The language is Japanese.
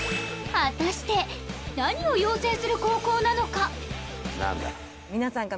果たして何を養成する高校なのか？